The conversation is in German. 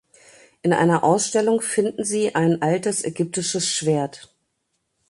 In einer Ausstellung finden sie ein altes ägyptisches Schwert.